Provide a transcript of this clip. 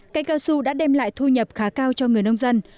cây cao su đã đem lại thu nhập khá cao cho người nông dân